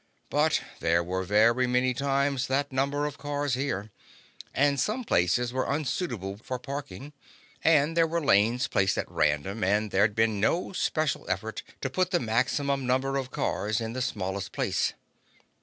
But there were very many times that number of cars here, and some places were unsuitable for parking, and there were lanes placed at random and there'd been no special effort to put the maximum number of cars in the smallest place.